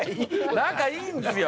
仲いいんですよ！